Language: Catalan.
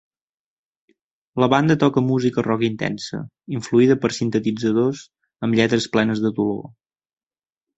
La banda toca música rock intensa influïda per sintetitzadors amb lletres plenes de dolor.